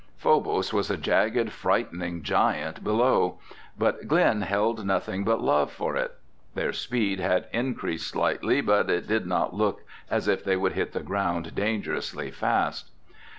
Phobos was a jagged, frightening giant below, but Glen held nothing but love for it. Their speed had increased slightly, but it did not look as if they would hit the ground dangerously fast.